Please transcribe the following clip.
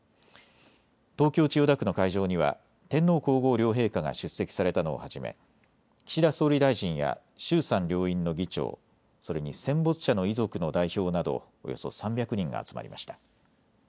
東京千代田区の会場には天皇皇后両陛下が出席されたのをはじめ岸田総理大臣や衆参両院の議長、それに戦没者の遺族の代表などおよそ３００人が集まりました。